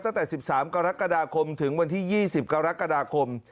ตั้งแต่๑๓กรกฎาคมถึงวันที่๒๐กรกฎาคม